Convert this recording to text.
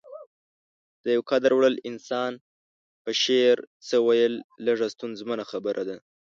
د يو قدر وړ انسان په شعر څه ويل لږه ستونزمنه خبره ده.